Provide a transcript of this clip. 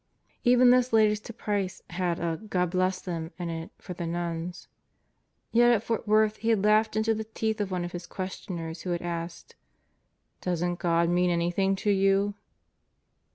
Even this latest to Price had a "God bless them" in it for the nuns. Yet at Fort Worth he had laughed into the teeth of one of his questioners who had asked: "Doesn't God mean anything to you?"